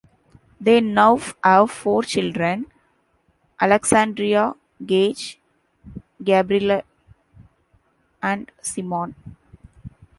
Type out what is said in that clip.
They now have four children: Alexandria, Gage, Gabrielle, and Simon.